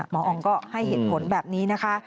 หมออองก็ให้เหตุผลแบบนี้นะคะ